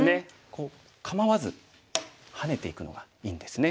こう構わずハネていくのがいいんですね。